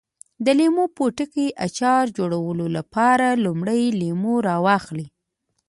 د لیمو پوټکي اچار جوړولو لپاره لومړی لیمو راواخلئ.